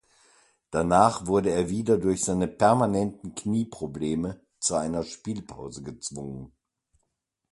Danach wurde er wieder durch seine permanenten Knieprobleme zu einer Spielpause gezwungen.